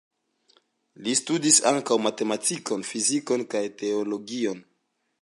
Li studis ankaŭ matematikon, fizikon kaj teologion.